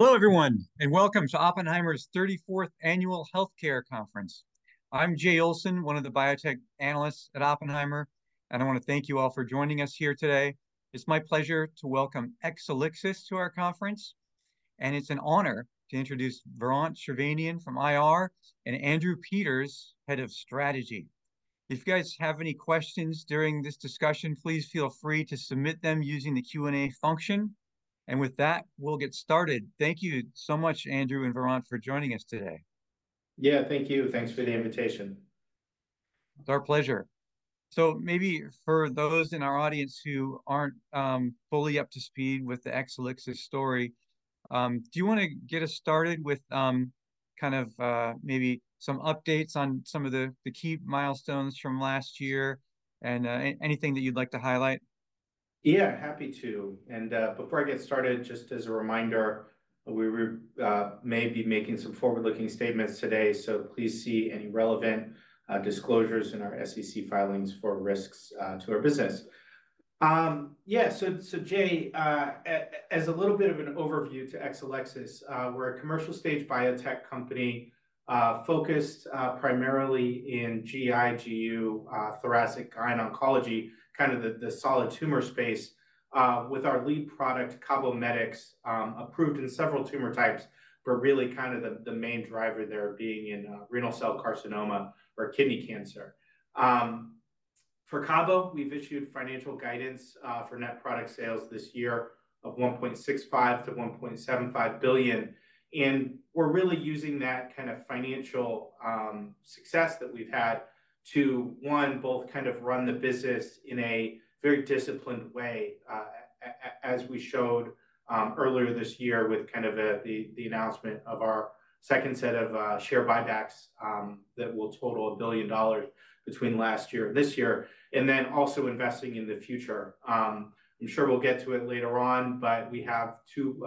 Hello, everyone, and welcome to Oppenheimer's thirty-fourth Annual Healthcare Conference. I'm Jay Olson, one of the biotech analysts at Oppenheimer, and I want to thank you all for joining us here today. It's my pleasure to welcome Exelixis to our conference, and it's an honor to introduce Varant Shirvanian from IR, and Andrew Peters, Head of Strategy. If you guys have any questions during this discussion, please feel free to submit them using the Q&A function. With that, we'll get started. Thank you so much, Andrew and Varant, for joining us today. Yeah, thank you. Thanks for the invitation. It's our pleasure. So maybe for those in our audience who aren't fully up to speed with the Exelixis story, do you want to get us started with kind of maybe some updates on some of the key milestones from last year and anything that you'd like to highlight? Yeah, happy to. And, before I get started, just as a reminder, we may be making some forward-looking statements today, so please see any relevant, disclosures in our SEC filings for risks, to our business. Yeah, so, Jay, as a little bit of an overview to Exelixis, we're a commercial-stage biotech company, focused primarily in GI, GU, thoracic, lung oncology, kind of the solid tumor space, with our lead product CABOMETYX, approved in several tumor types, but really kind of the main driver there being in renal cell carcinoma or kidney cancer. For Cabo, we've issued financial guidance for net product sales this year of $1.65 billion-$1.75 billion, and we're really using that kind of financial success that we've had to, one, both kind of run the business in a very disciplined way, as we showed earlier this year with kind of the announcement of our second set of share buybacks that will total $1 billion between last year and this year, and then also investing in the future. I'm sure we'll get to it later on, but we have 2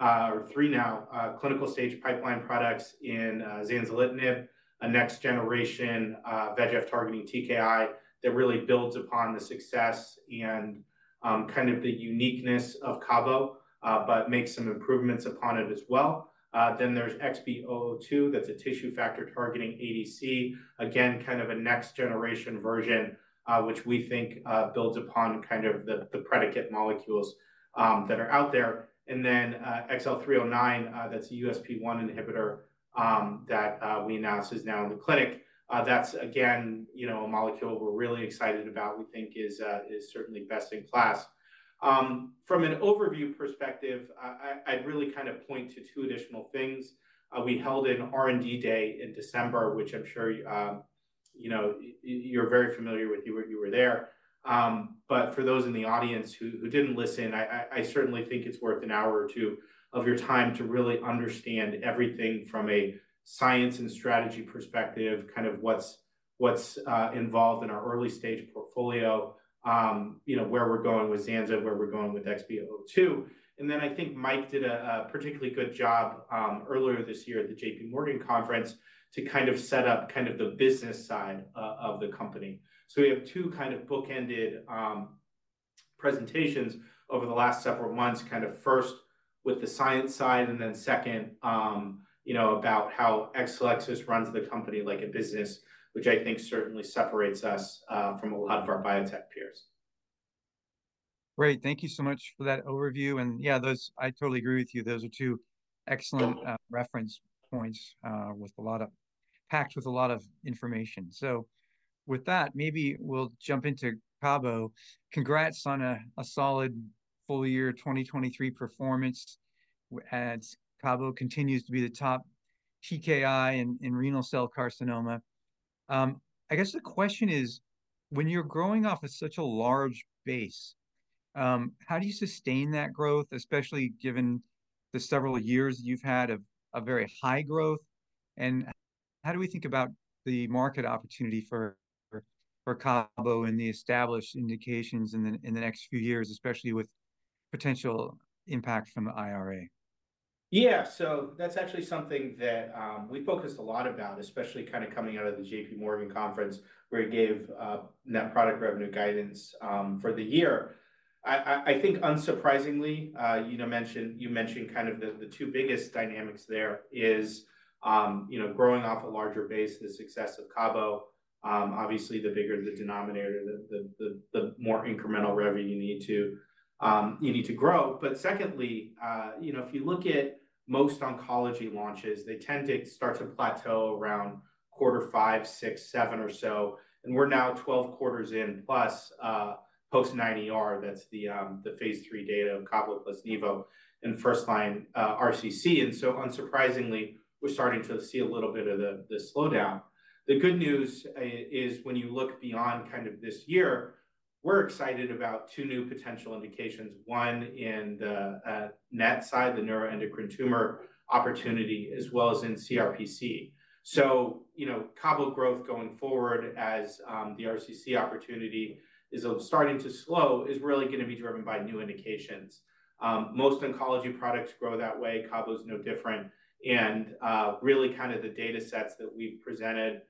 or 3 now clinical stage pipeline products including zanzalintinib, a next-generation VEGF-targeting TKI that really builds upon the success and kind of the uniqueness of Cabo, but makes some improvements upon it as well. Then there's XB002. That's a tissue factor targeting ADC. Again, kind of a next-generation version, which we think, builds upon kind of the, the predicate molecules, that are out there. And then, XL309, that's a USP1 inhibitor, that, we announced is now in the clinic. That's again, you know, a molecule we're really excited about. We think is, is certainly best in class. From an overview perspective, I, I'd really kind of point to two additional things. We held an R&D day in December, which I'm sure, you know, you're very familiar with. You were, you were there. But for those in the audience who didn't listen, I certainly think it's worth an hour or two of your time to really understand everything from a science and strategy perspective, kind of what's involved in our early-stage portfolio. You know, where we're going with Zanza, where we're going with XB002. And then I think Mike did a particularly good job earlier this year at the J.P. Morgan conference to kind of set up kind of the business side of the company. So we have two kind of bookended presentations over the last several months, kind of first with the science side and then second, you know, about how Exelixis runs the company like a business, which I think certainly separates us from a lot of our biotech peers. Great. Thank you so much for that overview. And yeah, those—I totally agree with you. Those are two excellent reference points with a lot of... packed with a lot of information. So with that, maybe we'll jump into Cabo. Congrats on a solid full year 2023 performance, as Cabo continues to be the top TKI in renal cell carcinoma. I guess the question is, when you're growing off of such a large base, how do you sustain that growth, especially given the several years you've had of a very high growth? And how do we think about the market opportunity for Cabo in the established indications in the next few years, especially with potential impact from the IRA? Yeah, so that's actually something that we focused a lot about, especially kind of coming out of the J.P. Morgan conference, where we gave net product revenue guidance for the year. I think unsurprisingly, you know, mentioned—you mentioned kind of the two biggest dynamics there is, you know, growing off a larger base, the success of Cabo. Obviously, the bigger the denominator, the more incremental revenue you need to you need to grow. But secondly, you know, if you look at most oncology launches, they tend to start to plateau around quarter 5, 6, 7 or so, and we're now 12 quarters in plus, post 9ER. That's the phase III data of Cabo plus nivo in first-line RCC. And so unsurprisingly, we're starting to see a little bit of the slowdown. The good news is when you look beyond kind of this year, we're excited about two new potential indications, one in the NET side, the neuroendocrine tumor opportunity, as well as in CRPC. So, you know, Cabo growth going forward as the RCC opportunity is starting to slow, is really going to be driven by new indications. Most oncology products grow that way. Cabo is no different. And really kind of the data sets that we presented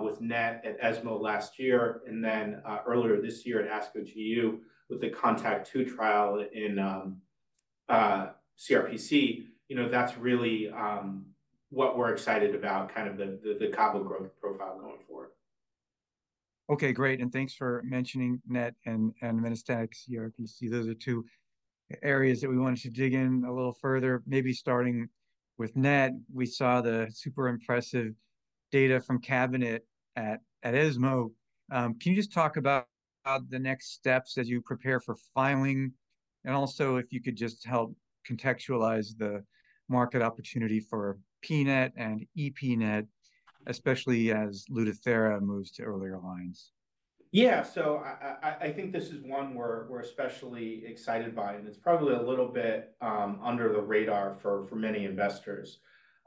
with NET at ESMO last year, and then earlier this year at ASCO GU with the CONTACT-02 trial in CRPC, you know, that's really what we're excited about, kind of the Cabo growth profile going forward. Okay, great, and thanks for mentioning NET and metastatic CRPC. Those are two areas that we wanted to dig in a little further. Maybe starting with NET, we saw the super impressive data from CABINET at ESMO. Can you just talk about the next steps as you prepare for filing? And also, if you could just help contextualize the market opportunity for pNET and epNET, especially as Lutathera moves to earlier lines. Yeah. So I think this is one we're especially excited by, and it's probably a little bit under the radar for many investors.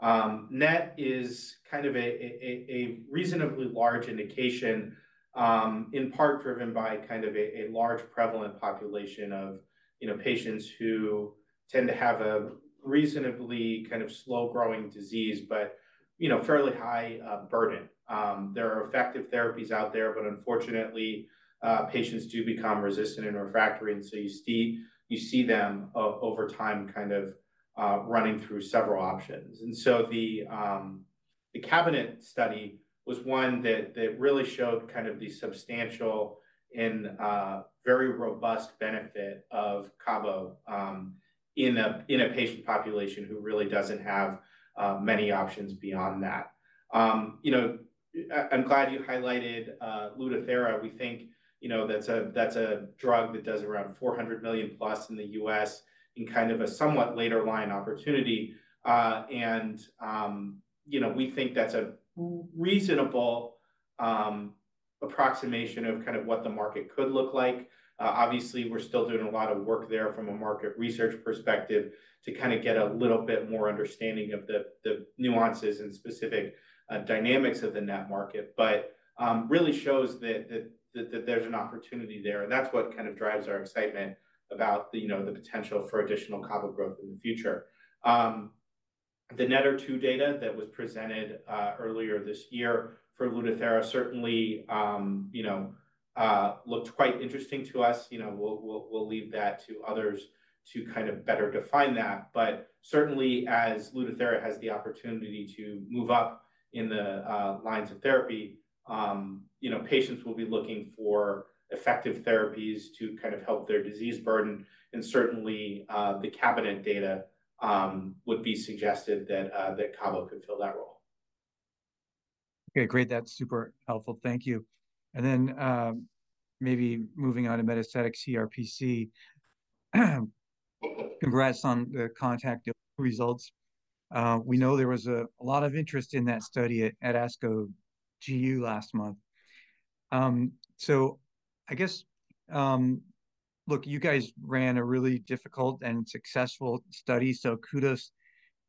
NET is kind of a reasonably large indication, in part driven by kind of a large prevalent population of, you know, patients who tend to have a reasonably kind of slow-growing disease, but, you know, fairly high burden. There are effective therapies out there, but unfortunately, patients do become resistant and refractory, and so you see them over time, kind of running through several options. And so the CABINET study was one that really showed kind of the substantial and very robust benefit of Cabo, in a patient population who really doesn't have many options beyond that. I'm glad you highlighted Lutathera. We think, you know, that's a drug that does around $400 million plus in the U.S. in kind of a somewhat later line opportunity. And, you know, we think that's a reasonable approximation of kind of what the market could look like. Obviously, we're still doing a lot of work there from a market research perspective to kinda get a little bit more understanding of the nuances and specific dynamics of the NET market, but really shows that there's an opportunity there. And that's what kind of drives our excitement about the potential for additional Cabo growth in the future. The NETTER-2 data that was presented earlier this year for Lutathera certainly looked quite interesting to us. You know, we'll leave that to others to kind of better define that. But certainly, as Lutathera has the opportunity to move up in the lines of therapy, you know, patients will be looking for effective therapies to kind of help their disease burden. And certainly, the CABINET data would be suggested that that Cabo could fill that role. Okay, great. That's super helpful. Thank you. And then, maybe moving on to metastatic CRPC, congrats on the CONTACT results. We know there was a lot of interest in that study at ASCO GU last month. So I guess, look, you guys ran a really difficult and successful study, so kudos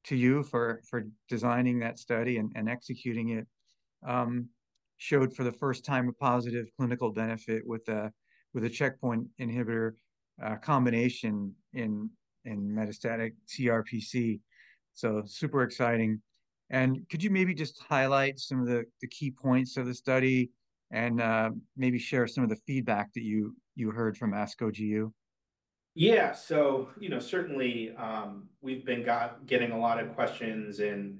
to you for designing that study and executing it. Showed for the first time a positive clinical benefit with a checkpoint inhibitor combination in metastatic CRPC. So super exciting. And could you maybe just highlight some of the key points of the study and maybe share some of the feedback that you heard from ASCO GU? Yeah. So, you know, certainly, we've been getting a lot of questions and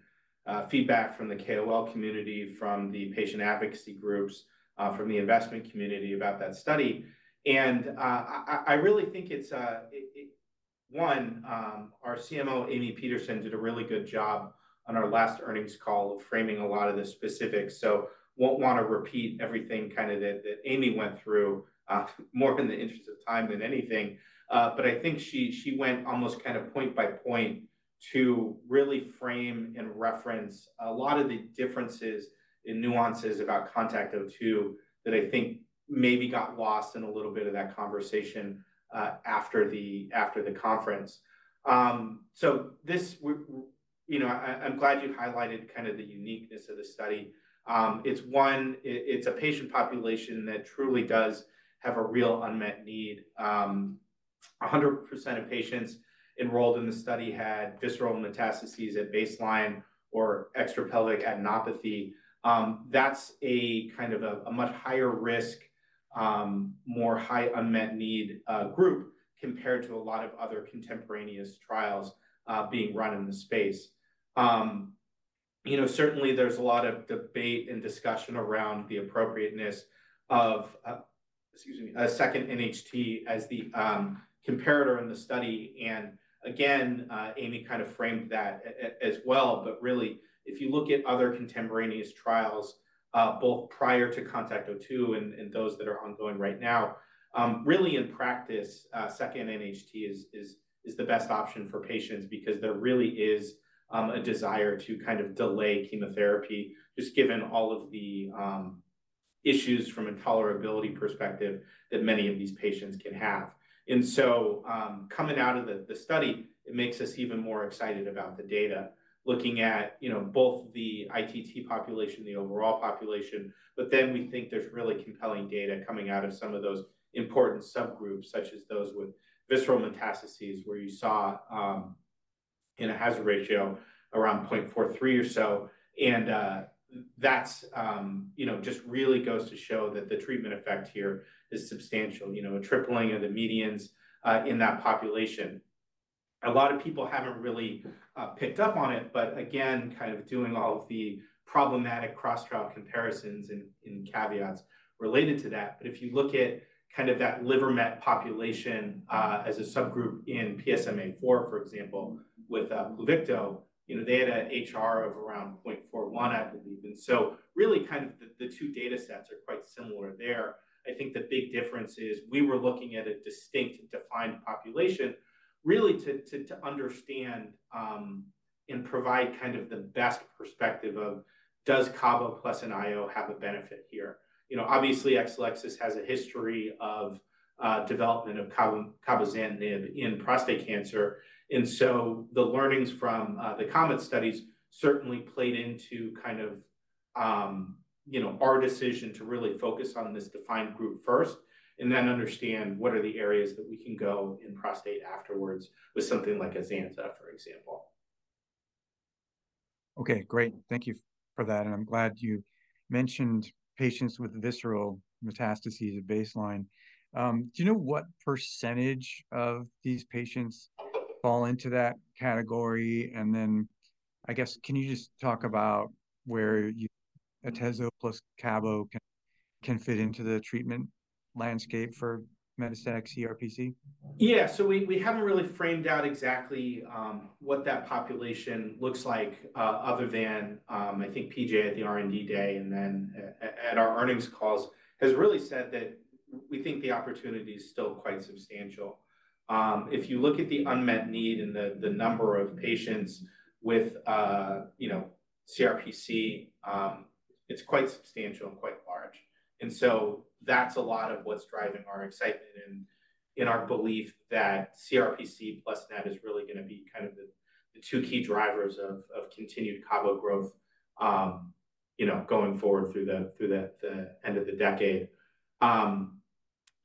feedback from the KOL community, from the patient advocacy groups, from the investment community about that study. And, I really think it's it one, our CMO, Amy Peterson, did a really good job on our last earnings call, framing a lot of the specifics, so won't want to repeat everything kinda that, that Amy went through, more in the interest of time than anything. But I think she went almost kind of point by point to really frame and reference a lot of the differences and nuances about CONTACT-02, that I think maybe got lost in a little bit of that conversation, after the conference. So this, you know, I’m glad you highlighted kind of the uniqueness of the study. It’s a patient population that truly does have a real unmet need. 100% of patients enrolled in the study had visceral metastases at baseline or extra-pelvic adenopathy. That’s kind of a much higher risk, more high unmet need group, compared to a lot of other contemporaneous trials being run in the space. You know, certainly there’s a lot of debate and discussion around the appropriateness of, excuse me, a second NHT as the comparator in the study. And again, Amy kind of framed that as well. But really, if you look at other contemporaneous trials, both prior to CONTACT-02 and those that are ongoing right now, really, in practice, second NHT is the best option for patients because there really is a desire to kind of delay chemotherapy, just given all of the issues from a tolerability perspective that many of these patients can have. And so, coming out of the study, it makes us even more excited about the data, looking at, you know, both the ITT population, the overall population, but then we think there's really compelling data coming out of some of those important subgroups, such as those with visceral metastases, where you saw... It has a ratio around 0.43 or so, and that's, you know, just really goes to show that the treatment effect here is substantial. You know, a tripling of the medians in that population. A lot of people haven't really picked up on it, but again, kind of doing all of the problematic cross-trial comparisons and caveats related to that. But if you look at kind of that liver met population as a subgroup in PSMAfore, for example, with Pluvicto, you know, they had a HR of around 0.41, I believe. And so really, kind of the two data sets are quite similar there. I think the big difference is we were looking at a distinct and defined population, really to understand and provide kind of the best perspective of, does cabo plus an IO have a benefit here? You know, obviously, Exelixis has a history of development of cabozantinib in prostate cancer. And so the learnings from the COMET studies certainly played into kind of, you know, our decision to really focus on this defined group first and then understand what are the areas that we can go in prostate afterwards with something like a Zanza, for example. Okay, great. Thank you for that, and I'm glad you mentioned patients with visceral metastases at baseline. Do you know what percentage of these patients fall into that category? And then, I guess, can you just talk about where you-- atezo plus cabo can fit into the treatment landscape for metastatic CRPC? Yeah, so we haven't really framed out exactly what that population looks like, other than I think P.J. at the R&D Day and then at our earnings calls has really said that we think the opportunity is still quite substantial. If you look at the unmet need and the number of patients with, you know, CRPC, it's quite substantial and quite large. And so that's a lot of what's driving our excitement and our belief that CRPC plus NET is really gonna be kind of the two key drivers of continued cabo growth, you know, going forward through the end of the decade.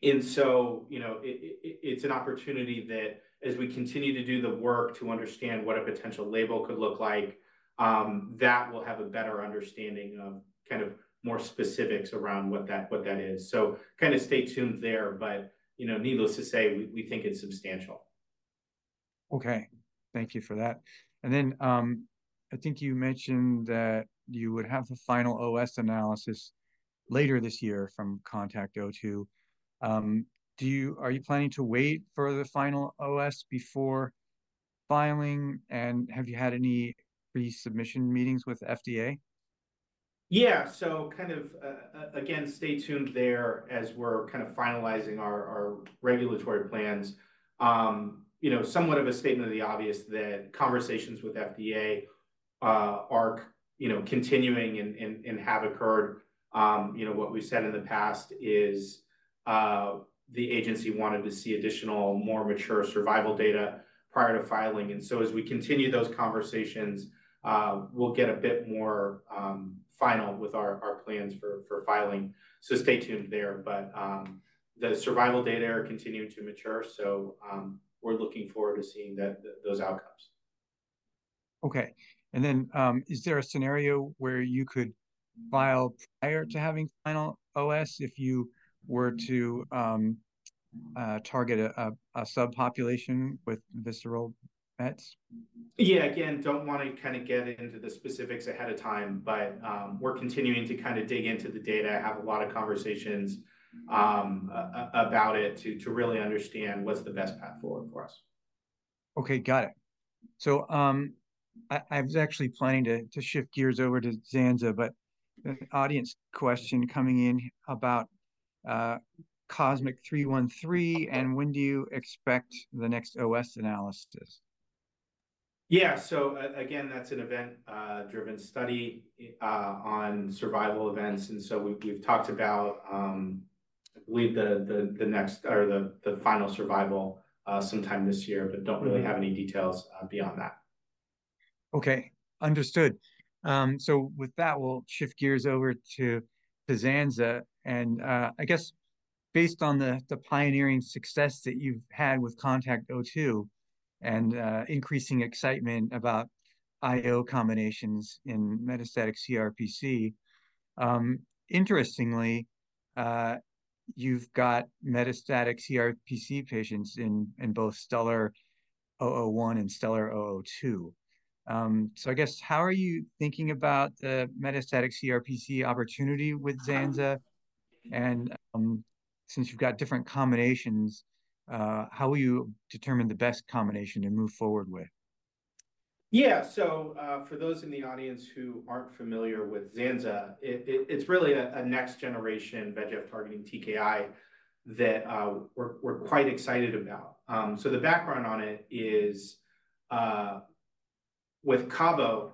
And so, you know, it's an opportunity that as we continue to do the work to understand what a potential label could look like, that will have a better understanding of kind of more specifics around what that is. So kind of stay tuned there, but, you know, needless to say, we think it's substantial. Okay, thank you for that. I think you mentioned that you would have a final OS analysis later this year from CONTACT-02. Do you-- are you planning to wait for the final OS before filing, and have you had any resubmission meetings with FDA? Yeah. So kind of, again, stay tuned there as we're kind of finalizing our regulatory plans. You know, somewhat of a statement of the obvious that conversations with FDA are, you know, continuing and have occurred. You know, what we've said in the past is the agency wanted to see additional, more mature survival data prior to filing, and so as we continue those conversations, we'll get a bit more final with our plans for filing. So stay tuned there, but the survival data are continuing to mature, so we're looking forward to seeing those outcomes. Okay. And then, is there a scenario where you could file prior to having final OS if you were to target a subpopulation with visceral mets? Yeah, again, don't want to kind of get into the specifics ahead of time, but we're continuing to kind of dig into the data, have a lot of conversations about it to really understand what's the best path forward for us. Okay, got it. So, I was actually planning to shift gears over to Zanza, but an audience question coming in about COSMIC-313, and when do you expect the next OS analysis? Yeah. So again, that's an event-driven study on survival events, and so we've talked about, I believe, the next or the final survival sometime this year, but don't really have any details beyond that. Okay, understood. So with that, we'll shift gears over to Zanza, and, I guess based on the, the pioneering success that you've had with CONTACT-02 and, increasing excitement about IO combinations in metastatic CRPC, interestingly, you've got metastatic CRPC patients in, in both STELLAR-001 and STELLAR-002. So I guess how are you thinking about the metastatic CRPC opportunity with Zanza? And, since you've got different combinations, how will you determine the best combination to move forward with? Yeah. So, for those in the audience who aren't familiar with Zanza, it's really a next-generation VEGF-targeting TKI that we're quite excited about. So the background on it is, with cabo,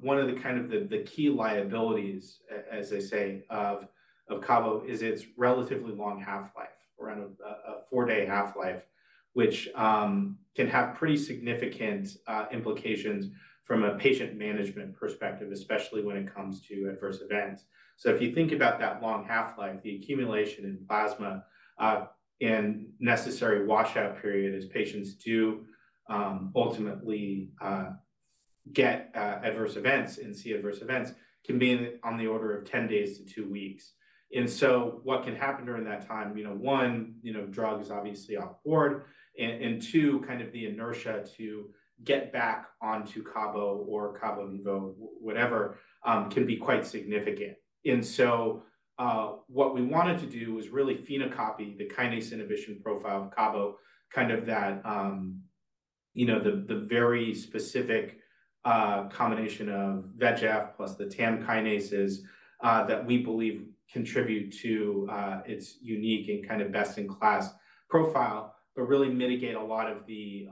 one of the key liabilities, as they say, of cabo is its relatively long half-life, around a four-day half-life, which can have pretty significant implications from a patient management perspective, especially when it comes to adverse events. So if you think about that long half-life, the accumulation in plasma, and necessary washout period as patients do ultimately face adverse events, and the adverse events can be on the order of 10 days to two weeks. And so what can happen during that time? You know, one drug is obviously on board, and two, kind of the inertia to get back onto Cabo or CABOMETYX, whatever, can be quite significant. And so, what we wanted to do was really phenocopy the kinase inhibition profile of Cabo, kind of that, you know, the very specific combination of VEGF plus the TAM kinases, that we believe contribute to its unique and kind of best-in-class profile, but really mitigate a lot of the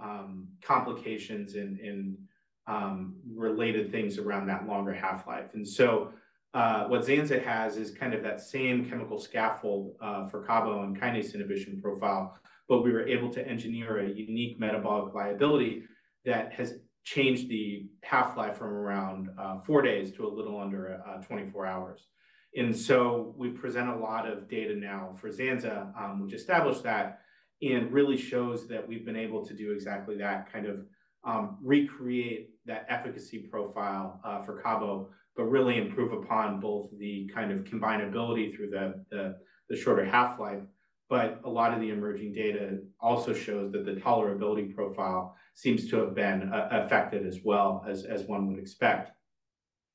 complications and related things around that longer half-life. And so, what zanzalintinib has is kind of that same chemical scaffold for Cabo and kinase inhibition profile, but we were able to engineer a unique metabolic liability that has changed the half-life from around four days to a little under 24 hours. And so we present a lot of data now for zanzalintinib, which established that, and really shows that we've been able to do exactly that, kind of, recreate that efficacy profile for Cabo, but really improve upon both the kind of combinability through the shorter half-life. But a lot of the emerging data also shows that the tolerability profile seems to have been affected as well as one would expect.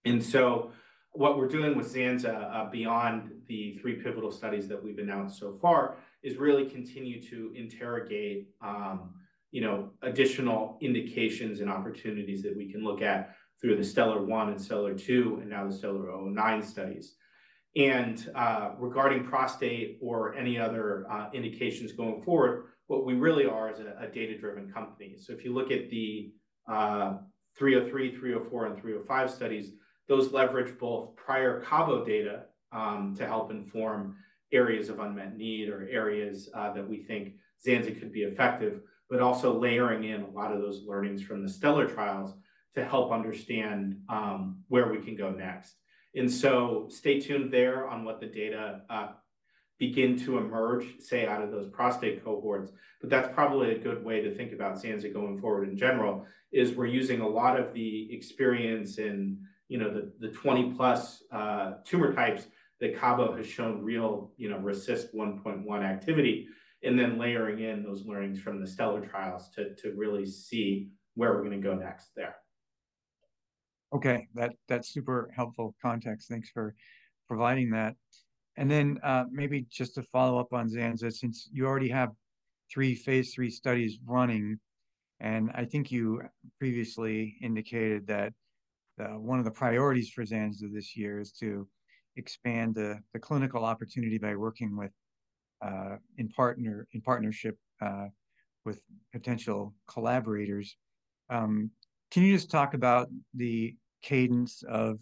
And so what we're doing with zanzalintinib, beyond the three pivotal studies that we've announced so far, is really continue to interrogate you know, additional indications and opportunities that we can look at through the STELLAR-001 and STELLAR-002, and now the STELLAR-309 studies. And regarding prostate or any other indications going forward, what we really are is a data-driven company. So if you look at the 303, 304, and 305 studies, those leverage both prior Cabo data to help inform areas of unmet need or areas that we think Zanza could be effective, but also layering in a lot of those learnings from the STELLAR trials to help understand where we can go next. And so stay tuned there on what the data begin to emerge, say, out of those prostate cohorts. But that's probably a good way to think about Zanza going forward in general, is we're using a lot of the experience in, you know, the 20+ tumor types that Cabo has shown real, you know, RECIST 1.1 activity, and then layering in those learnings from the STELLAR trials to really see where we're going to go next there. Okay, that, that's super helpful context. Thanks for providing that. And then, maybe just to follow up on zanzalintinib, since you already have 3 phase III studies running, and I think you previously indicated that, one of the priorities for zanzalintinib this year is to expand the, the clinical opportunity by working with, in partnership, with potential collaborators. Can you just talk about the cadence of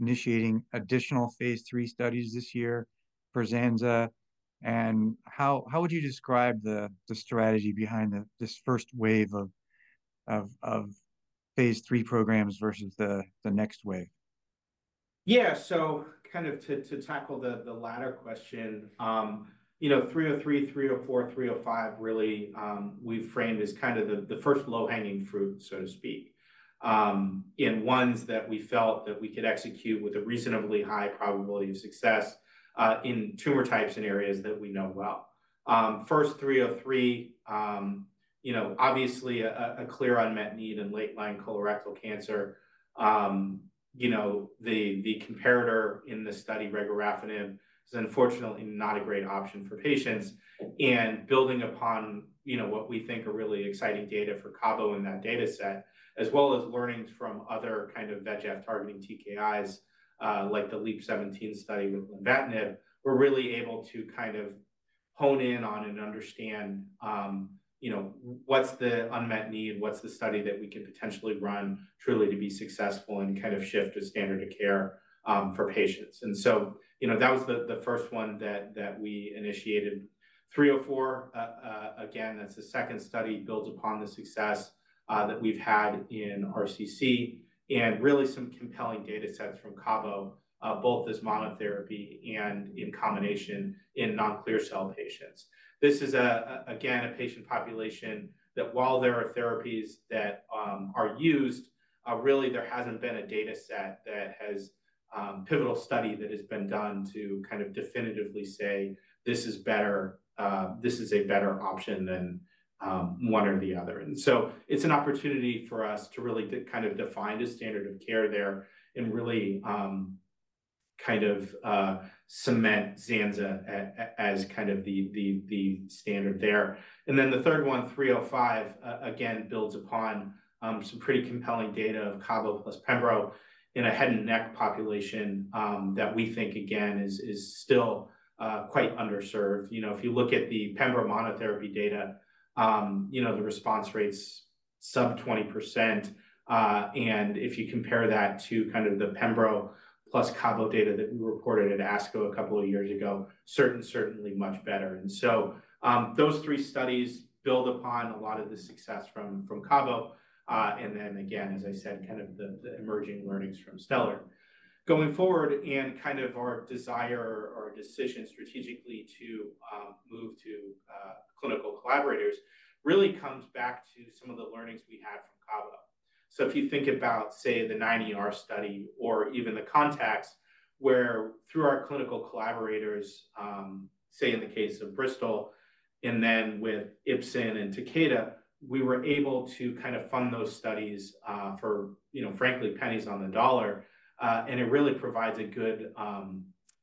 initiating additional phase III studies this year for zanzalintinib? And how, how would you describe the, the strategy behind this first wave of, of, of phase III programs versus the, the next wave? Yeah. So kind of to tackle the latter question, you know, 303, 304, 305, really, we've framed as kind of the first low-hanging fruit, so to speak, and ones that we felt that we could execute with a reasonably high probability of success, in tumor types and areas that we know well. First, 303, you know, obviously a clear unmet need in late-line colorectal cancer. You know, the comparator in this study, regorafenib, is unfortunately not a great option for patients, and building upon, you know, what we think are really exciting data for Cabo in that dataset, as well as learnings from other kind of VEGF targeting TKIs, like the LEAP-17 study with lenvatinib, we're really able to kind of hone in on and understand, you know, what's the unmet need, what's the study that we could potentially run truly to be successful and kind of shift the standard of care for patients. And so you know, that was the first one that we initiated. Three or four, again, that's the second study, builds upon the success that we've had in RCC, and really some compelling datasets from Cabo, both as monotherapy and in combination in non-clear cell patients. This is again a patient population that, while there are therapies that are used, really there hasn't been a dataset that has a pivotal study that has been done to kind of definitively say: This is better, this is a better option than one or the other. And so it's an opportunity for us to really kind of define the standard of care there and really kind of cement zanzalintinib as kind of the standard there. And then the third one, 3 or 5, again, builds upon some pretty compelling data of Cabo plus pembro in a head and neck population, that we think again is still quite underserved. You know, if you look at the pembro monotherapy data, you know, the response rate's sub-20%. And if you compare that to kind of the pembro plus Cabo data that we reported at ASCO a couple of years ago, certainly much better. And so, those three studies build upon a lot of the success from Cabo. And then again, as I said, kind of the emerging learnings from STELLAR. Going forward, and kind of our desire or decision strategically to move to clinical collaborators, really comes back to some of the learnings we had from Cabo. So if you think about, say, the 9ER study or even the CONTACT-02, where through our clinical collaborators, say, in the case of Bristol, and then with Ipsen and Takeda, we were able to kind of fund those studies, for, you know, frankly, pennies on the dollar. And it really provides a good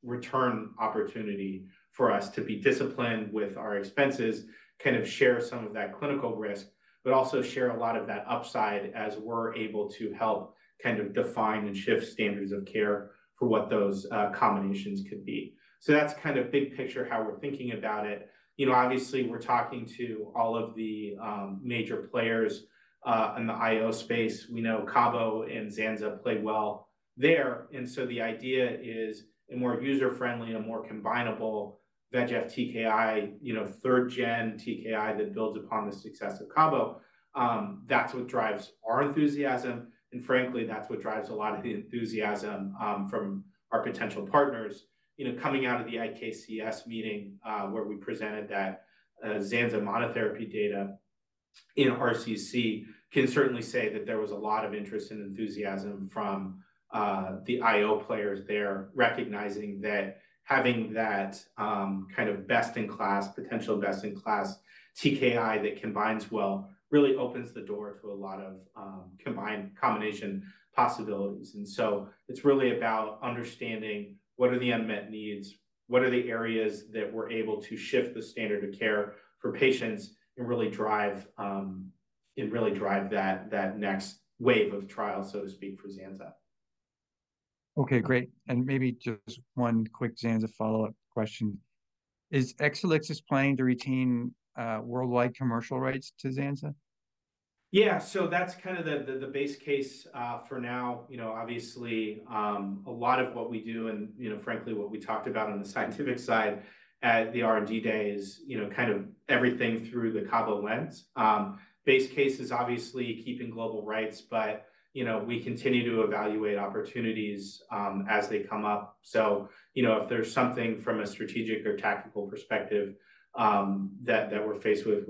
return opportunity for us to be disciplined with our expenses. Kind of share some of that clinical risk, but also share a lot of that upside as we're able to help kind of define and shift standards of care for what those combinations could be. So that's kind of big picture, how we're thinking about it. You know, obviously, we're talking to all of the major players in the IO space. We know Cabo and Zanza play well there, and so the idea is a more user-friendly and a more combinable VEGF TKI, you know, third-gen TKI that builds upon the success of Cabo. That's what drives our enthusiasm, and frankly, that's what drives a lot of the enthusiasm from our potential partners. You know, coming out of the IKCS meeting, where we presented that zanzalintinib monotherapy data in RCC, can certainly say that there was a lot of interest and enthusiasm from the IO players there. Recognizing that having that kind of best-in-class, potential best-in-class TKI that combines well really opens the door to a lot of combination possibilities. And so it's really about understanding what are the unmet needs, what are the areas that we're able to shift the standard of care for patients and really drive and really drive that next wave of trials, so to speak, for zanzalintinib. Okay, great, and maybe just one quick zanzalintinib follow-up question. Is Exelixis planning to retain worldwide commercial rights to zanzalintinib? Yeah. So that's kind of the base case for now. You know, obviously, a lot of what we do and, you know, frankly, what we talked about on the scientific side at the R&D day is, you know, kind of everything through the Cabo lens. Base case is obviously keeping global rights, but, you know, we continue to evaluate opportunities as they come up. So, you know, if there's something from a strategic or tactical perspective that we're faced with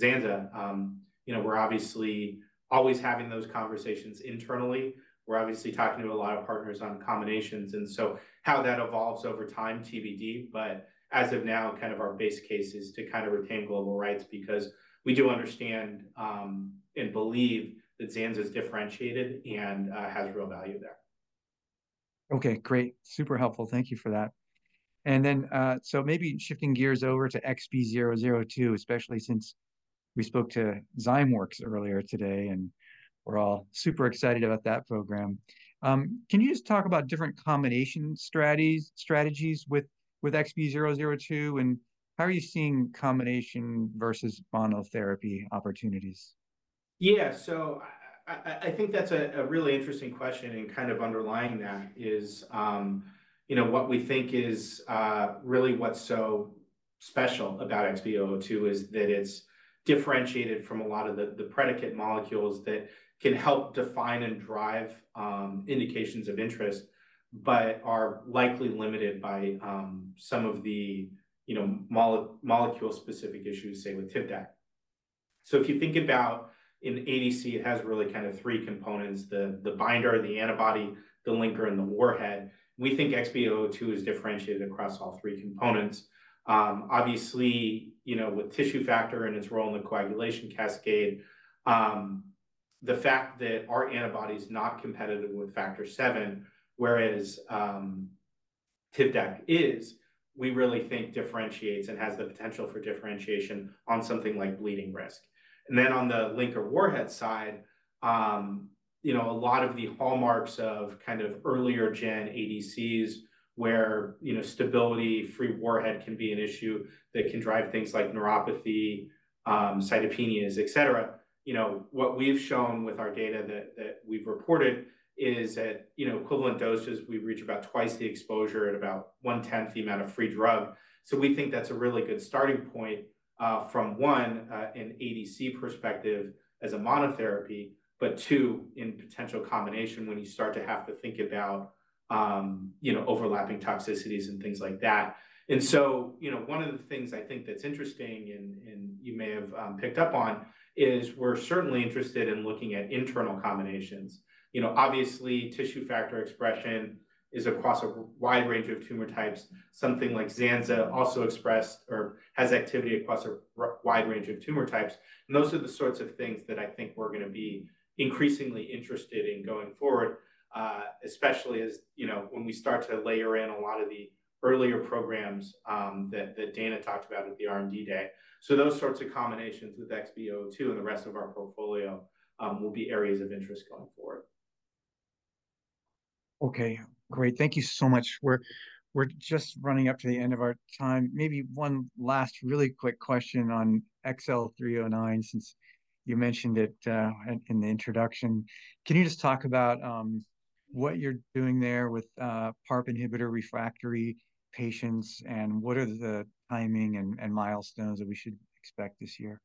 zanzalintinib, you know, we're obviously always having those conversations internally. We're obviously talking to a lot of partners on combinations, and so how that evolves over time, TBD, but as of now, kind of our base case is to kind of retain global rights because we do understand and believe that Zanza is differentiated and has real value there. Okay, great. Super helpful. Thank you for that. And then, so maybe shifting gears over to XB002, especially since we spoke to Zymeworks earlier today, and we're all super excited about that program. Can you just talk about different combination strategies with, with XB002, and how are you seeing combination versus monotherapy opportunities? Yeah. So I think that's a really interesting question, and kind of underlying that is, you know, what we think is really what's so special about XB002 is that it's differentiated from a lot of the predicate molecules that can help define and drive indications of interest, but are likely limited by some of the, you know, molecule-specific issues, say, with Tivdak. So if you think about an ADC, it has really kind of three components: the binder, the antibody, the linker, and the warhead. We think XB002 is differentiated across all three components. Obviously, you know, with tissue factor and its role in the coagulation cascade, the fact that our antibody is not competitive with factor VII, whereas Tivdak is, we really think differentiates and has the potential for differentiation on something like bleeding risk. And then, on the linker warhead side, you know, a lot of the hallmarks of kind of earlier gen ADCs where, you know, stability, free warhead can be an issue that can drive things like neuropathy, cytopenias, et cetera. You know, what we've shown with our data that we've reported is that, you know, equivalent doses, we reach about twice the exposure at about one-tenth the amount of free drug. So we think that's a really good starting point, from one, an ADC perspective as a monotherapy, but two, in potential combination, when you start to have to think about, you know, overlapping toxicities and things like that. And so, you know, one of the things I think that's interesting and you may have picked up on, is we're certainly interested in looking at internal combinations. You know, obviously, tissue factor expression is across a wide range of tumor types. Something like zanzalintinib also expressed or has activity across a wide range of tumor types. And those are the sorts of things that I think we're going to be increasingly interested in going forward, especially as, you know, when we start to layer in a lot of the earlier programs, that Dana talked about at the R&D Day. So those sorts of combinations with XB002 and the rest of our portfolio, will be areas of interest going forward. Okay, great. Thank you so much. We're just running up to the end of our time. Maybe one last really quick question on XL309, since you mentioned it in the introduction. Can you just talk about what you're doing there with PARP inhibitor refractory patients, and what are the timing and milestones that we should expect this year?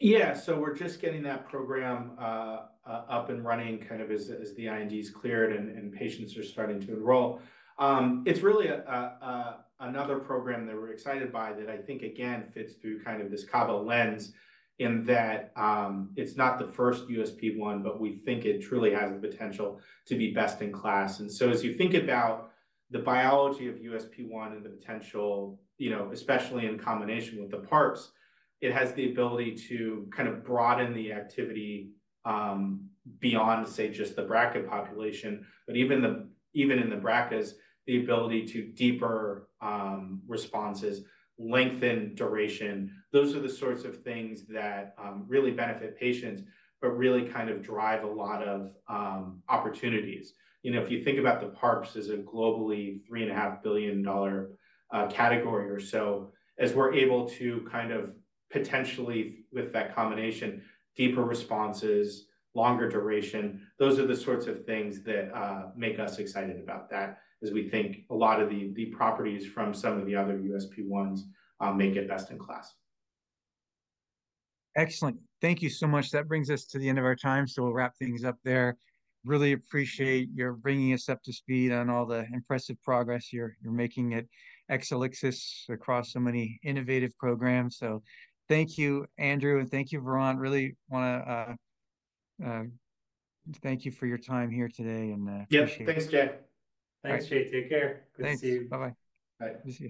Yeah. So we're just getting that program up and running, kind of as the IND is cleared and patients are starting to enroll. It's really another program that we're excited by that I think again fits through kind of this Cabo lens, in that it's not the first USP1, but we think it truly has the potential to be best in class. And so as you think about the biology of USP1 and the potential, you know, especially in combination with the PARPs, it has the ability to kind of broaden the activity beyond, say, just the BRCA population. But even the even in the BRCA, the ability to deeper responses, lengthen duration, those are the sorts of things that really benefit patients, but really kind of drive a lot of opportunities. You know, if you think about the PARPs as a globally $3.5 billion category or so, as we're able to kind of potentially, with that combination, deeper responses, longer duration, those are the sorts of things that make us excited about that, as we think a lot of the, the properties from some of the other USP1s make it best in class. Excellent. Thank you so much. That brings us to the end of our time, so we'll wrap things up there. Really appreciate your bringing us up to speed on all the impressive progress you're making at Exelixis across so many innovative programs. So thank you, Andrew, and thank you, Varant. Really wanna thank you for your time here today, and appreciate it. Yep. Thanks, Jay. Thanks. Jay, take care. Thanks. Good to see you. Bye-bye. Bye. See you.